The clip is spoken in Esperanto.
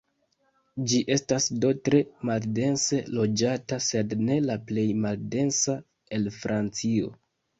Ĝi estas do tre maldense loĝata, sed ne la plej maldensa el Francio.